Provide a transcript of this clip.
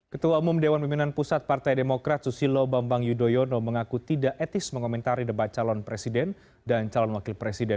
ketua umum dewan pimpinan pusat partai demokrat susilo bambang yudhoyono mengaku tidak etis mengomentari debat calon presiden dan calon wakil presiden